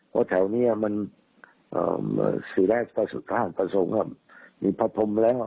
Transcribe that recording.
เพราะแถวนี้มันศิลป์แรกประสุทธาประสงค์มีพระพรหมแล้ว